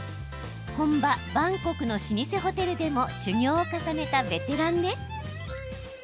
本場バンコクの老舗ホテルでも修業を重ねたベテランです。